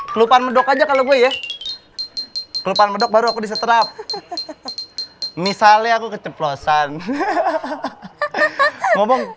kelupaan mendok aja kalau gue ya kelupaan mendok baru aku disetrap misalnya aku keceplosan